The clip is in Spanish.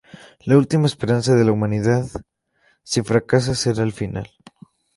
La última esperanza de la humanidad, si fracasa será el final.